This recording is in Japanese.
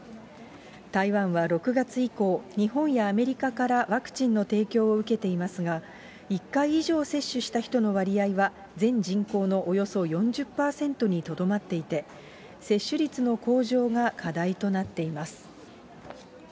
台湾は６月以降、日本やアメリカからワクチンの提供を受けていますが、１回以上接種した人の割合は全人口のおよそ４０％にとどまっていていて、接種率の向上が課題となっています。